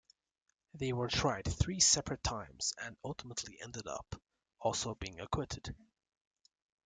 They were tried three separate times and ultimately ended up also being acquitted.